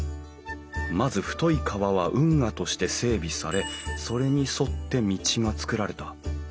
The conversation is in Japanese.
まず太い川は運河として整備されそれに沿って道が造られた。